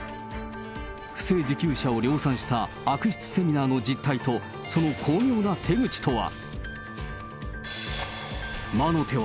不正受給者を量産した悪質セミナーの実態と、その巧妙な手口とは。